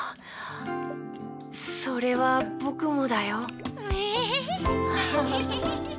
それはぼくもだよ。